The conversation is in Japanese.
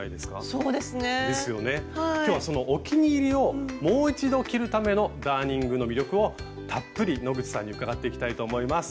そうですね。ですよね。今日はそのお気に入りをもう一度着るためのダーニングの魅力をたっぷり野口さんに伺っていきたいと思います。